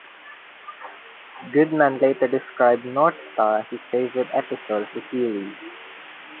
Goodman later described "North Star" as his favourite episode of the series.